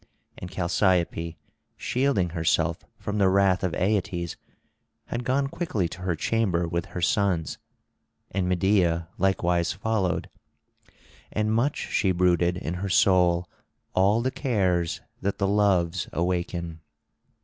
And Chalciope, shielding herself from the wrath of Aeetes, had gone quickly to her chamber with her sons. And Medea likewise followed, and much she brooded in her soul all the cares that the Loves awaken.